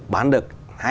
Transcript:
bán được hai mươi hai